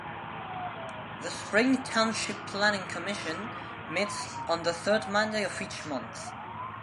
The Spring Township Planning Commission meets on the third Monday of each month.